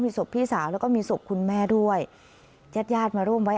ศพพี่สาวแล้วก็มีศพคุณแม่ด้วยญาติญาติมาร่วมไว้